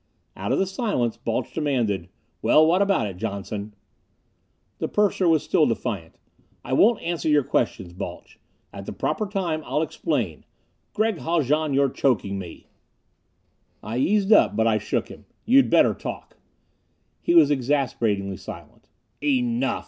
Out of the silence, Balch demanded, "Well, what about it, Johnson?" The purser was still defiant. "I won't answer your questions, Balch. At the proper time, I'll explain Gregg Haljan, you're choking me!" I eased up. But I shook him. "You'd better talk." He was exasperatingly silent. "Enough!"